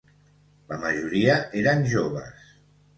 La majoria eren joves